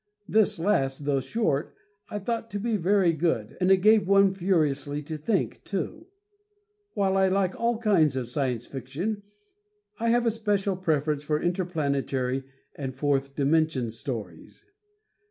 This last, though short, I thought to be very good, and it gave one furiously to think, too. While I like all kinds of Science Fiction, I have a special preference for interplanetary and fourth dimension stories.